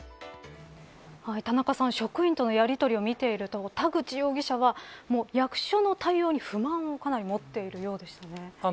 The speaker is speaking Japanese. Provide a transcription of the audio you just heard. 田中さん、職員とのやりとりを見ていると、田口容疑者は役所の対応に不満をかなり持っているようでしたね。